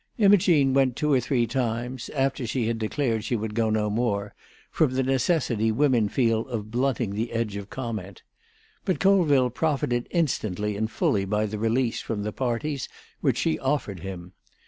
Imogene went two or three times, after she had declared she would go no more, from the necessity women feel of blunting the edge of comment; but Colville profited instantly and fully by the release from the parties which she offered him.